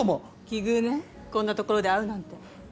奇遇ねこんな所で会うなんて。